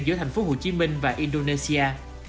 giữa thành phố hồ chí minh và indonesia